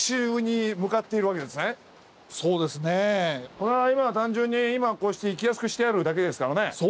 これは今単純に今こうして行きやすくしてあるだけですからね。